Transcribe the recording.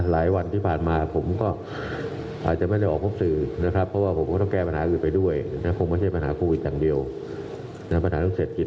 เราต้องอยู่กับโควิดให้ได้